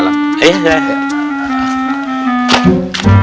iya saya dapet